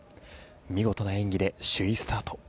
見事な演技で首位スタート。